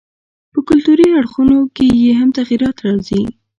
په کلتوري اړخونو کښي ئې هم تغيرات راځي.